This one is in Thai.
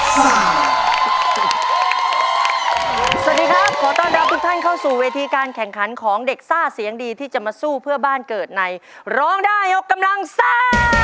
สวัสดีครับขอต้อนรับทุกท่านเข้าสู่เวทีการแข่งขันของเด็กซ่าเสียงดีที่จะมาสู้เพื่อบ้านเกิดในร้องได้ยกกำลังซ่า